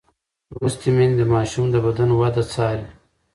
لوستې میندې د ماشوم د بدن د وده څاري.